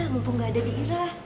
mumpung gak ada di irah